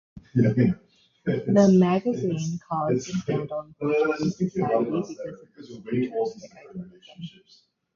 The magazine caused a scandal in Portuguese society because of its futuristic idealism.